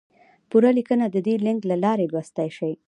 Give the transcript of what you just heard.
پوره لیکنه د دې لینک له لارې لوستی شئ!